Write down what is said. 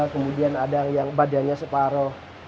kemudian ada yang badannya separoh